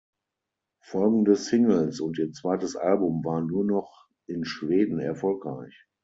Folgende Singles und ihr zweites Album waren nur noch in Schweden erfolgreich.